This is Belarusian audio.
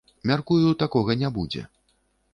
Мяркую, такога не будзе.